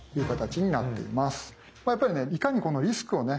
やっぱりねいかにこのリスクをね